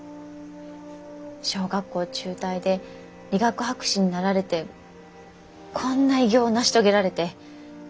小学校中退で理学博士になられてこんな偉業を成し遂げられて。